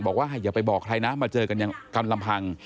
บอกว่าอย่าไปบอกใครนะมาเจอกันกันลำพัง